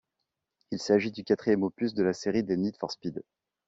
Il s'agit du quatrième opus de la série des Need for Speed.